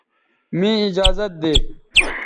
مے ایجازت دے